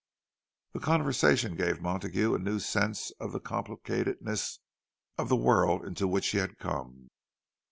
This conversation gave Montague a new sense of the complicatedness of the world into which he had come.